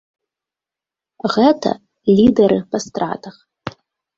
Гэта лідэры па стратах.